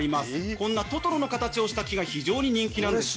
こんなトトロの形をした木が非常に人気なんですよ